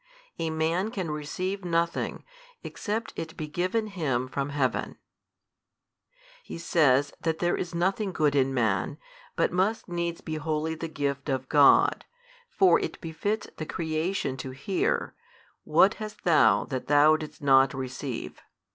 A man can receive nothing, except it be given him from heaven. He says that there is nothing good in man, but must needs be wholly the gift of God, For it befits the creation to hear, What hast thou that thou didst not receive?